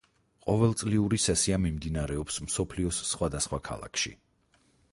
ყოველწლიური სესია მიმდინარეობს მსოფლიოს სხვადასხვა ქალაქში.